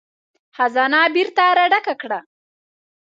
خزانه بېرته را ډکه کړه.